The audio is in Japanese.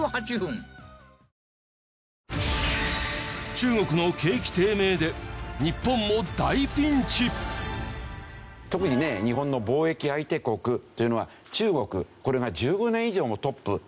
中国の景気低迷で特にね日本の貿易相手国というのは中国これが１５年以上もトップというわけですよね。